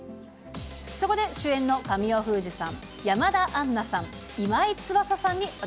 そこで主演の神尾ふうじゅさん、山田杏奈さん、今井翼さんに私、